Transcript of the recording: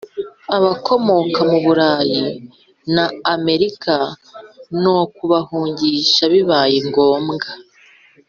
abakomoka mu burayi na amerika no kubahungisha bibaye ngombwa,